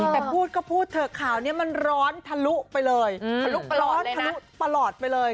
แต่พูดก็พูดเถอะข่าวนี้มันร้อนทะลุไปเลยทะลุร้อนทะลุตลอดไปเลย